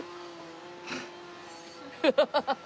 アハハハハ。